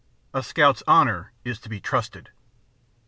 A Scout's Honor is to be Trusted.